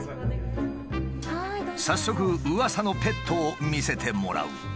早速うわさのペットを見せてもらう。